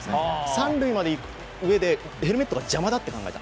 三塁まで行く上でヘルメットが邪魔だと考えた。